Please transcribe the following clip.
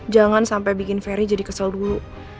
jangan sampai bikin ferry jadi kesel dulu